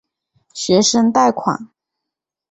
学生贷款。